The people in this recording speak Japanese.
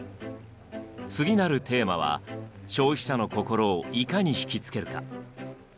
次なるテーマは「消費者の心をいかに引き付けるか」。